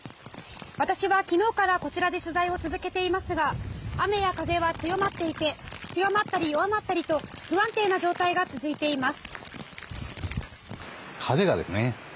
私は昨日からこちらで取材を続けていますが雨や風は強まったり弱まったりと不安定な状態が続いています。